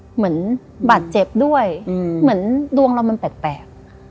เหมือนบาดเจ็บด้วยเหมือนดวงเรามันแปลก